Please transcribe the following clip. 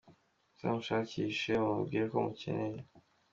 Muzamushakishe mumubwire ko mukenye